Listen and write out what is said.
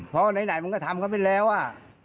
เพราะว่าไหนมึงก็ทำเขาเป็นแล้วอ่ะ